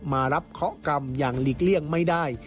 มารับเคาะกรรมอย่างหลีกเลี่ยงไม่ได้